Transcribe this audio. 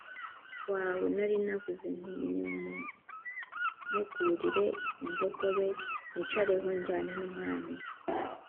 wawe nari navuze nti nimuntegurire indogobe nicareho njyane n umwami